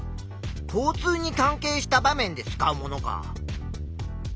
交通に関係した場面で使うものか。